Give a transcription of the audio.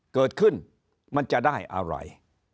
เกิดขึ้นมันจะได้อะไร